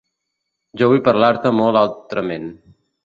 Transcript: Jo vull parlar-te molt altrament.